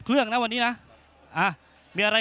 นักมวยจอมคำหวังเว่เลยนะครับ